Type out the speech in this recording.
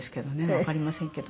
わかりませんけど。